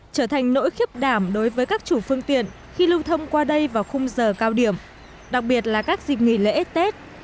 trở thành nỗi khiếp đảm đối với các chủ phương tiện khi lưu thông qua đây vào khung giờ cao điểm đặc biệt là các dịp nghỉ lễ tết